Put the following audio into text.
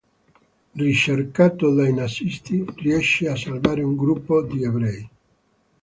Ricercato dai nazisti, riesce a salvare un gruppo di ebrei.